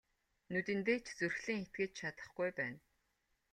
Нүдэндээ ч зүрхлэн итгэж чадахгүй байна.